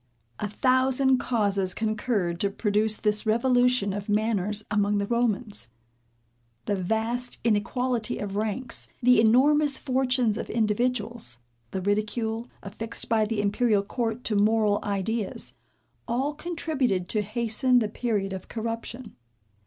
A thousand causes concurred to produce this revolution of manners among the Romans. The vast inequality of ranks, the enormous fortunes of individuals, the ridicule, affixed by the imperial court to moral ideas, all contributed to hasten the period of corruption.